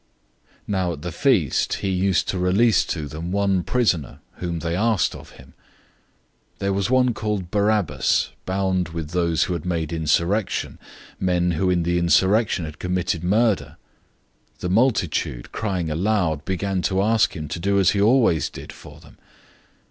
015:006 Now at the feast he used to release to them one prisoner, whom they asked of him. 015:007 There was one called Barabbas, bound with those who had made insurrection, men who in the insurrection had committed murder. 015:008 The multitude, crying aloud, began to ask him to do as he always did for them.